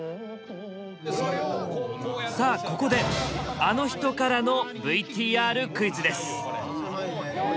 さあここであの人からのＶＴＲクイズです。